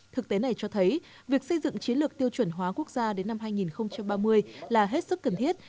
thực tế này cho thấy việc xây dựng chiến lược tiêu chuẩn hóa quốc gia đến năm hai nghìn ba mươi là hết sức cần thiết